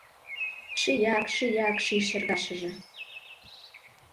Шияк-шияк ший шергашыже